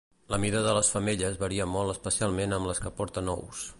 La mida de les femelles varia molt especialment amb les que porten ous.